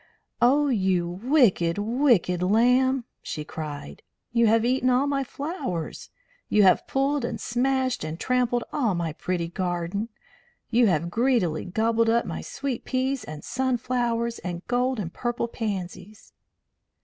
"Oh, you wicked, wicked lamb!" she cried. "You have eaten all my flowers. You have pulled and smashed and trampled all my pretty garden. You have greedily gobbled up my sweet peas and sunflowers and gold and purple pansies."